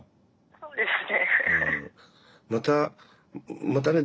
そうですね。